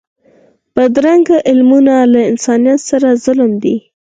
بدرنګه عملونه له انسانیت سره ظلم دی